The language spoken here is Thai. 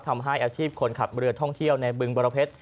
ทำให้อาชีพคนขับเรือท่องเที่ยวในบึงบรเพชร